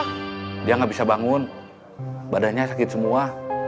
dia nggak bisa bangun badannya sakit semua